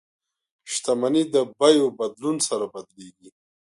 شتمني د بیو بدلون سره بدلیږي.